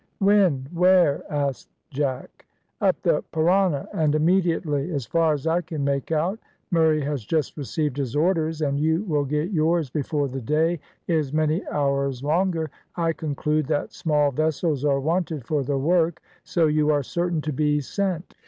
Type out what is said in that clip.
"When? where?" asked Jack. "Up the Parana, and immediately, as far as I can make out. Murray has just received his orders, and you will get yours before the day is many hours longer. I conclude that small vessels are wanted for the work, so you are certain to be sent."